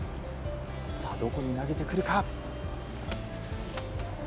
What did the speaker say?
どこに投げてくるか。